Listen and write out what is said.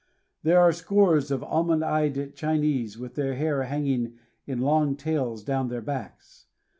There are scores of almond eyed Chinese with their hair hanging in long tails down their backs.